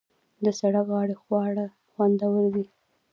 د سړک غاړې خواړه خوندور دي.